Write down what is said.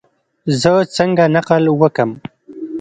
زه څنګه نقل وکم؟